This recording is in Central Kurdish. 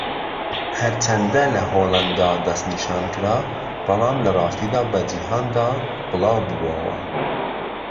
ھەرچەندە لە ھۆلەندا دەستنیشانکرا بەڵام لەڕاستیدا بە جیھاندا بڵاوببۆوە.